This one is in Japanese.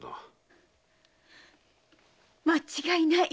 間違いない。